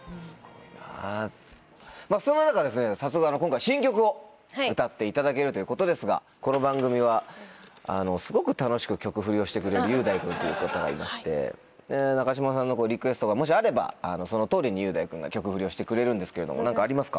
そんな中ですね新曲を歌っていただけるということですがこの番組はすごく楽しく曲フリをしてくれる雄大君という方がいまして中島さんのリクエストがもしあればその通りに雄大君が曲フリをしてくれるんですけれども何かありますか？